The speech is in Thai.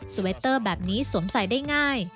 เวตเตอร์แบบนี้สวมใส่ได้ง่าย